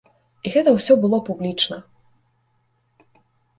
І гэта ўсё было публічна.